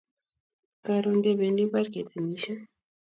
Karon kebendi imbar ketemishe